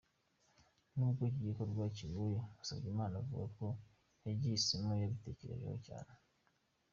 N'ubwo iki gikorwa kigoye, Musabyimana avuga ko yagihisemo yabitekerejeho cyane.